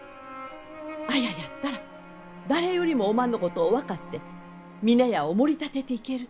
綾やったら誰よりもおまんのことを分かって峰屋をもり立てていける。